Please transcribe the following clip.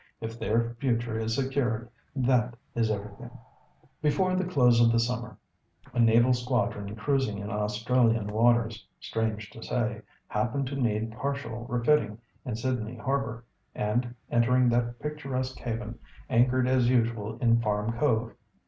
"If their future is secured, that is everything." Before the close of the summer, a naval squadron cruising in Australian waters, strange to say, happened to need partial refitting in Sydney Harbour, and, entering that picturesque haven, anchored as usual in Farm Cove.